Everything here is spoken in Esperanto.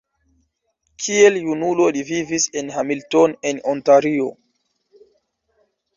Kiel junulo li vivis en Hamilton en Ontario.